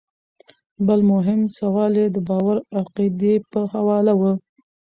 بل مهم سوال ئې د باور او عقيدې پۀ حواله وۀ